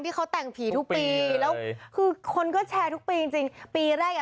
ที่เขาแต่งผีทุกปีแล้วคือคนก็แชร์ทุกปีจริงจริงปีแรกอ่ะ